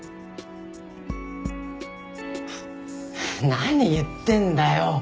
何言ってんだよ。